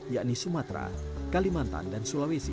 yakni sumatera kalimantan dan sulawesi